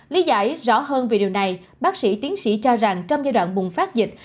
lý giải rõ hơn về điều này bác sĩ tiến sĩ cho rằng trong giai đoạn bùng phát dịch